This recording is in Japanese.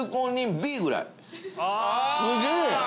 すげえ！